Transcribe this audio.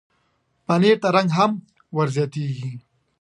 پنېر ته رنګ هم ورزیاتېږي.